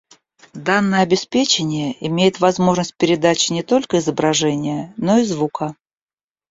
Данное обеспечение имеет возможность передачи не только изображения, но и звука